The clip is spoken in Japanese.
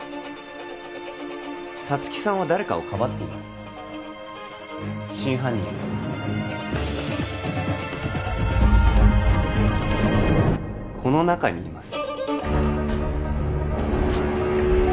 皐月さんは誰かをかばっています真犯人はこの中にいます